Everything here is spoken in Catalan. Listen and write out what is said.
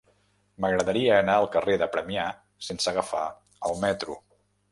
M'agradaria anar al carrer de Premià sense agafar el metro.